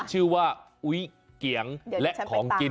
ชื่อว่าอุ๊ยเกียงและของกิน